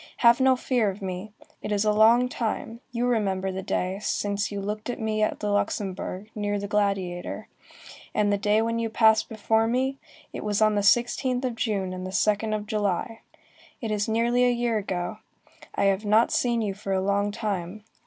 Have no fear of me. It is a long time, you remember the day, since you looked at me at the Luxembourg, near the Gladiator. And the day when you passed before me? It was on the 16th of June and the 2d of July. It is nearly a year ago. I have not seen you for a long time.